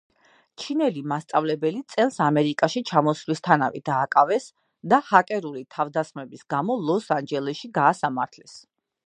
ჩინელი მასწავლებელი წელს ამერიკაში ჩამოსვლისთანავე დააკავეს და ჰაკერული თავდასხმების გამო, ლოს-ანჯელესში გაასამართლეს.